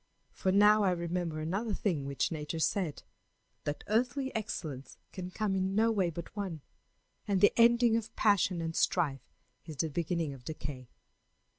For now I remember another thing which Nature said that earthly excellence can come in no way but one, and the ending of passion and strife is the beginning of decay.